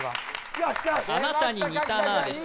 あなたににたなあでした